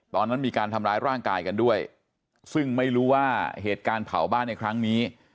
ตอนนั้นมีการทำร้ายร่างกายกันด้วยซึ่งไม่รู้ว่าเหตุการณ์เผาบ้านในครั้งนี้